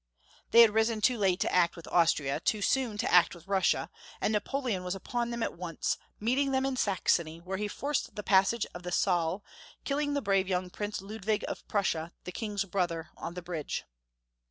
Franz II. 441 They had risen too late to act with Austria, too soon to act with Russia, and Napoleon was upon them at once, meeting them in Saxony, where he forced the passage of the Saale, killing the brave young Prince Ludwig of Prussia, the King's brother, on the bridge.